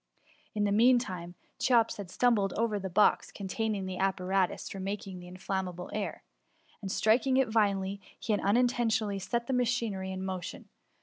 In the mean time, Cheops had stumbled over the box containing the apparatus for making inflammable air, and striking it violently, had unintentionally set the machinery in motion.